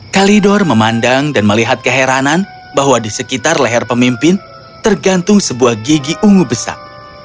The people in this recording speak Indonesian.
kalidor memandang dan melihat keheranan bahwa di sekitar leher pemimpin tergantung sebuah gigi ungu besar